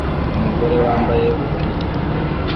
Umugore wambaye urunigi